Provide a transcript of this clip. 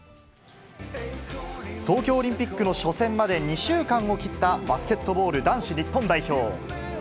東京オリンピックの初戦まで２週間を切ったバスケットボール男子日本代表。